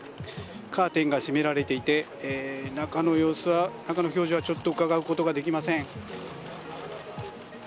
カーテンが閉められていて、中の様子は、中の表情はちょっとうかがうことはできません。